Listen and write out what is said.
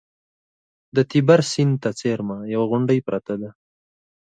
د تیبر سیند ته څېرمه یوه غونډۍ پرته ده